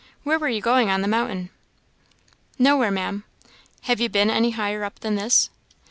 Where were you going on the mountain?" "Nowhere, Maam." "Have you been any higher up than this?"